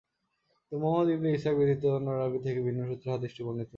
কিন্তু মুহাম্মদ ইবন ইসহাক ব্যতীত অন্য রাবী থেকে ভিন্ন সূত্রেও হাদীসটি বর্ণিত হয়েছে।